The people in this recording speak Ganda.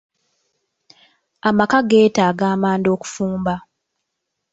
Amaka geetaaga amanda okufumba.